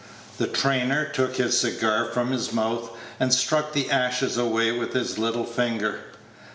The trainer took his cigar from his mouth, and struck the ashes away with his little finger.